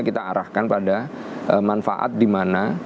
kita arahkan pada manfaat dimana